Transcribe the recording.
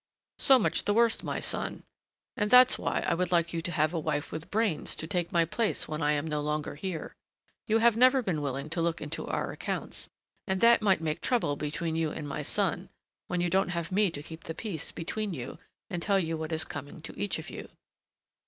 "So much the worse, my son, and that's why I would like you to have a wife with brains to take my place when I am no longer here. You have never been willing to look into our accounts, and that might make trouble between you and my son, when you don't have me to keep the peace between you and tell you what is coming to each of you."